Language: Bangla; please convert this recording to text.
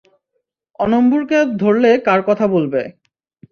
অন্বুরকে ধরলে কার কথা বলবে?